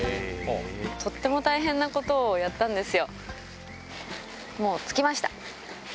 とっても大変なことをやったんですよ。